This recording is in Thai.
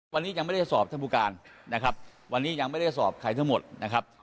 วันนี้ยังไม่ได้สอบท่านผู้การนะครับวันนี้ยังไม่ได้สอบใครทั้งหมดนะครับ